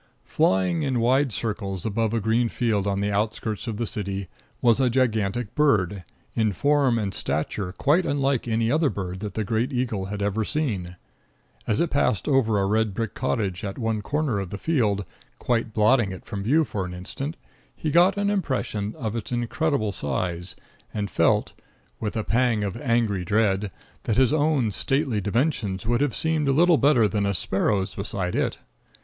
Flying in wide circles above a green field on the outskirts of the city was a gigantic bird, in form and stature quite unlike any other bird that the great eagle had ever seen. As it passed over a red brick cottage at one corner of the field, quite blotting it from view for an instant, he got an impression of its incredible size, and felt, with a pang of angry dread, that his own stately dimensions would have seemed little better than a sparrow's beside it.